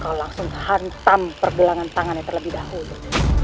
kau langsung hantam pergelangan tangannya terlebih dahulu